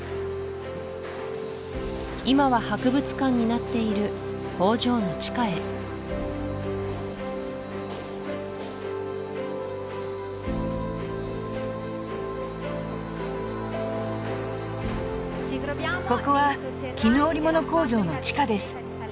今は博物館になっている工場の地下へここは絹織物工場の地下です